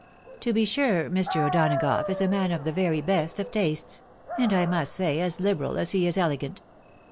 To be sure, Mr. O'Donagough is a man of the very best of tastes, — and I must say, as hberal as he is elegant.